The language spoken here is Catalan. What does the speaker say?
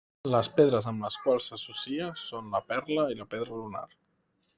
Les pedres amb les quals s'associa són la perla i la pedra lunar.